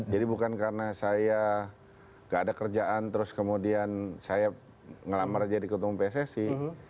jadi bukan karena saya gak ada kerjaan terus kemudian saya ngelamar jadi ketua umum pssi